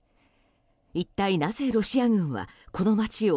一体なぜロシア軍はこの街を